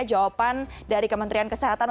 jawaban dari kementerian kesehatan